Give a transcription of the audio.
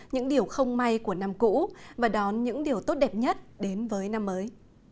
những điều không may của năm cũ và đón những điều tốt đẹp nhất đến với năm mới